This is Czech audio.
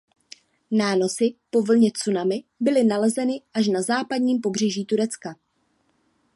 Nánosy po vlně tsunami byly nalezeny až na západním pobřeží Turecka.